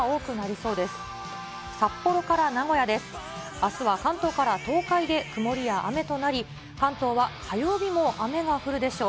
あすは関東から東海で曇りや雨となり、関東は火曜日も雨が降るでしょう。